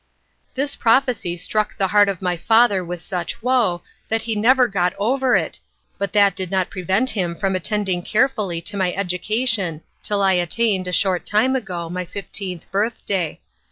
"This prophecy struck the heart of my father with such woe, that he never got over it, but that did not prevent him from attending carefully to my education till I attained, a short time ago, my fifteenth birthday.